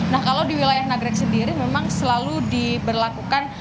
nah kalau di wilayah nagrek sendiri memang selalu diberlakukan